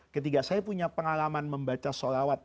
ketika saya punya pengalaman membaca sholawat